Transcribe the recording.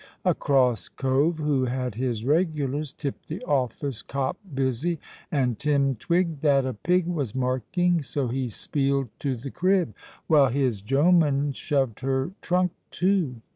A cross cove, who had his regulars, tipped the office 'Cop Busy!' and Tim twigged that a pig was marking. So he speeled to the crib, while his jomen shoved her trunk too.